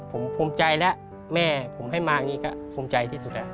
ผมภูมิใจแล้วแม่ผมให้มาอย่างนี้ก็ภูมิใจที่สุดแล้ว